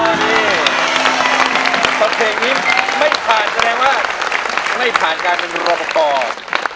อ๋อนี่ตอนเพลงนี้ไม่ผ่านแสดงว่าไม่ผ่านการเป็นรบประตอบ